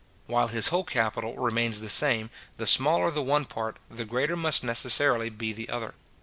While his whole capital remains the same, the smaller the one part, the greater must necessarily be the other.